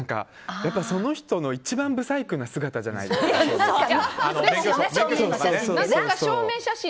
その人の一番ブサイクな姿じゃないですか、免許証の写真。